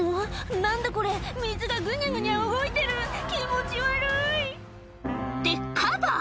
何だこれ水がグニャグニャ動いてる気持ち悪い！ってカバ